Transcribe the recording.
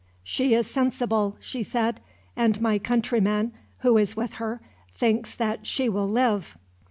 "She is sensible," she said, "and my countryman, who is with her, thinks that she will live."